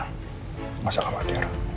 nggak usah khawatir